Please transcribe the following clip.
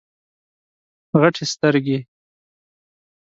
غټي سترګي